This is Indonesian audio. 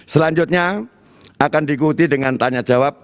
selanjutnya akan diikuti dengan tanya jawab